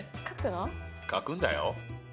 書くんだよ。